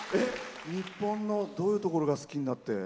日本のどういうところが好きになって留学。